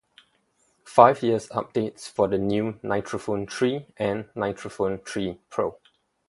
Five years updates for the new "NitroPhone three" and "NitroPhone three Pro".